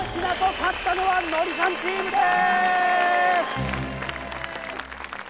勝ったのはノリさんチームです！